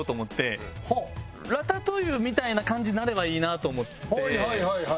ラタトゥイユみたいな感じになればいいなと思って。